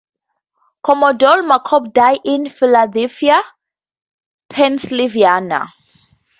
Commodore Macomb died in Philadelphia, Pennsylvania.